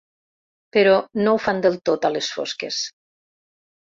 Però no ho fan del tot a les fosques.